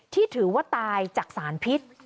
ที่ถือว่าตายจากสารพิษ